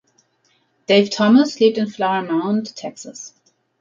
Dave Thomas lebt in Flower Mound, Texas.